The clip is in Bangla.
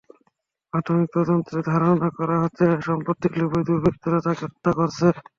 প্রাথমিক তদন্তে ধারণা করা হচ্ছে, সম্পত্তির লোভেই দুর্বৃত্তরা তাঁকে হত্যা করেছে।